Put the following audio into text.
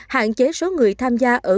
hạn chế số người tham gia ở cổ